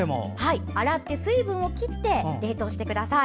洗って水分を切って冷凍してください。